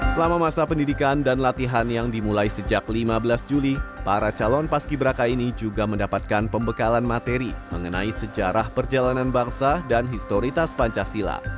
selama masa pendidikan dan latihan yang dimulai sejak lima belas juli para calon paski beraka ini juga mendapatkan pembekalan materi mengenai sejarah perjalanan bangsa dan historitas pancasila